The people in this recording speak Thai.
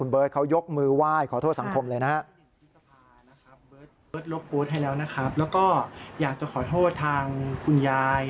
เบิร์ทลบโพสต์ให้แล้วนะครับแล้วก็อยากจะขอโทษทางคุณยาย